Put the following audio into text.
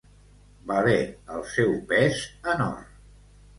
Valer el seu pes en or.